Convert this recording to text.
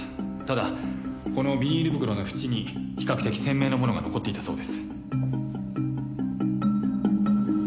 ただこのビニール袋の縁に比較的鮮明なものが残っていたそうです。